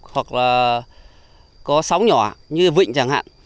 hoặc là có sóng nhỏ như vịnh chẳng hạn